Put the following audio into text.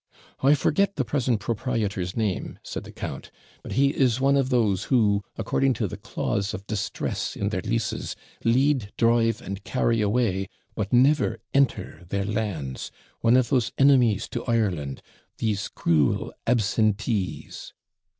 'I forget the present proprietor's name,' said the count; 'but he is one of those who, according to THE CLAUSE OF DISTRESS in their leases, LEAD, DRIVE, AND CARRY AWAY, but never ENTER their lands; one of those enemies to Ireland these cruel absentees!'